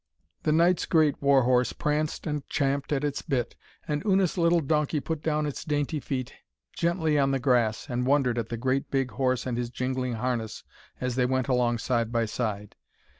The knight's great war horse pranced and champed at its bit, and Una's little donkey put down its dainty feet gently on the grass and wondered at the great big horse and his jingling harness as they went along side by side.